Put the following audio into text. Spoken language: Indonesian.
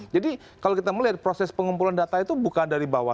jadi kalau kita melihat proses pengumpulan data itu bukan dari bawah